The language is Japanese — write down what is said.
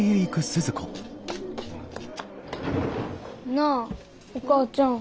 なあお母ちゃん。